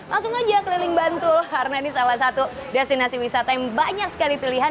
langsung aja keliling bantul karena ini salah satu destinasi wisata yang banyak sekali pilihan